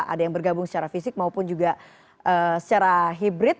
ada yang bergabung secara fisik maupun juga secara hibrid